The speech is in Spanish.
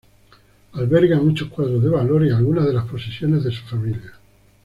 Alberga muchos cuadros de valor y algunas de las posesiones de su familia.